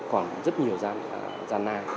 còn rất nhiều gian na